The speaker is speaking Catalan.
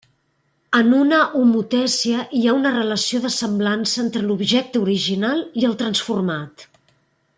En una homotècia hi ha una relació de semblança entre l'objecte original i el transformat.